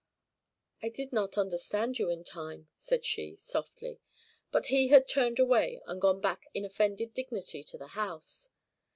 "I did not understand you in time," said she, softly. But he had turned away, and gone back in offended dignity to the house.